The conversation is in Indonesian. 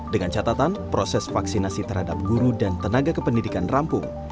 dengan catatan proses vaksinasi terhadap guru dan tenaga kependidikan rampung